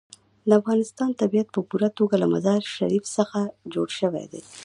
د افغانستان طبیعت په پوره توګه له مزارشریف څخه جوړ شوی دی.